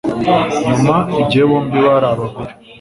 Nyuma igihe bombi bari abagore